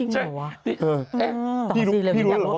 จริงเหรอวะ